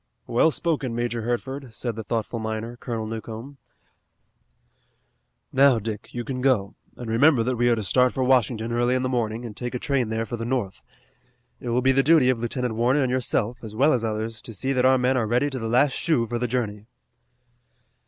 "Well spoken, Major Hertford," said the thoughtful miner, Colonel Newcomb. "Now, Dick, you can go, and remember that we are to start for Washington early in the morning and take a train there for the north. It will be the duty of Lieutenant Warner and yourself, as well as others, to see that our men are ready to the last shoe for the journey."